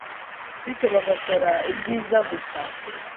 bityo bagakora ibyiza gusa